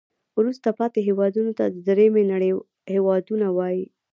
وروسته پاتې هیوادونو ته د دریمې نړۍ هېوادونه وایي.